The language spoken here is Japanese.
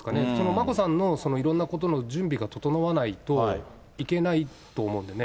眞子さんのいろんなことの準備が整わないといけないと思うんでね。